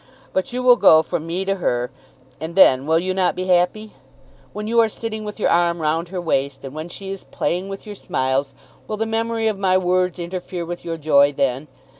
But you will go from me to her, and then will you not be happy? When you are sitting with your arm round her waist, and when she is playing with your smiles, will the memory of my words interfere with your joy then?